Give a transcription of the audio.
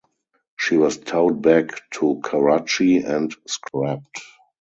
She was towed back to Karachi and scrapped.